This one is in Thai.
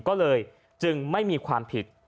ก็เลยจึงไม่มีความผิด